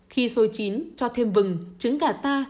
khi xôi chín cho thêm vừng trứng gà ta